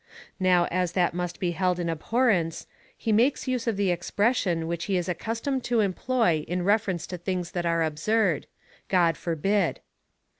^ Now as that must be held in abhorrence, he makes use of the expression which he is accustomed to employ in reference to things that are absurd — God forbid?